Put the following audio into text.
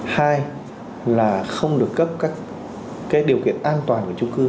hai là không được cấp các điều kiện an toàn của chung cư